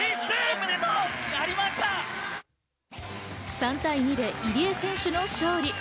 ３対２で入江選手の勝利。